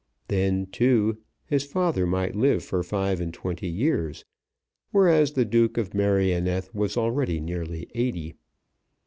Then, too, his father might live for five and twenty years, whereas the Duke of Merioneth was already nearly eighty.